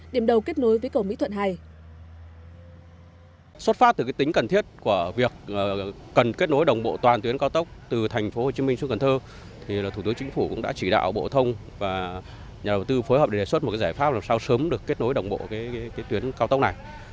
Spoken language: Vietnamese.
điểm đầu kết nối với cầu mỹ thuận hai